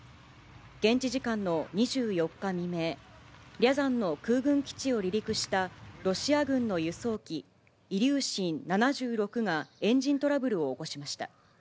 現地時間の２４日未明、リャザンの空軍基地を離陸したロシア軍の輸送機、イリューシン７６がエンジントラブルを起こしました。